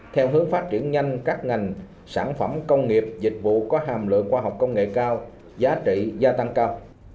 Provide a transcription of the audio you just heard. theo hướng phát triển nhanh các ngành sản phẩm công nghiệp dịch vụ có hàm lượng khoa học công nghệ cao giá trị gia tăng cao